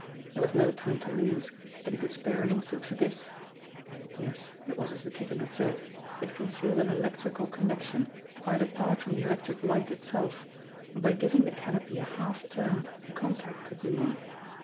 There was no time to lose, but he could spare an instant for this ! Yes, it was as the Kitten had said. It concealed an electrical connection quite apart from the electric light itself; and by giving the canopy a half turn the contact could be made.